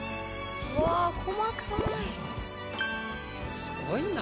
うわ細かい。